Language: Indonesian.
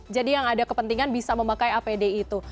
jadi yang ada kepentingan bisa memakai apd itu